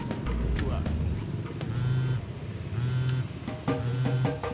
tunggu dulu kan